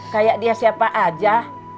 kayak dia siapa saja